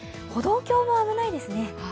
歩道橋も危ないですね。